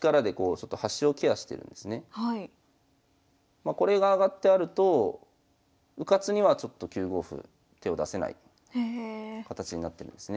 まこれが上がってあるとうかつにはちょっと９五歩手を出せない形になってるんですね。